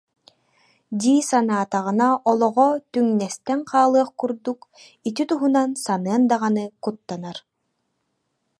» дии санаатаҕына, олоҕо түҥнэстэн хаалыах курдук, ити туһунан саныан даҕаны куттанар